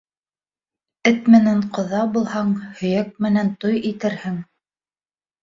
Эт менән ҡоҙа булһаң, һөйәк менән туй итерһең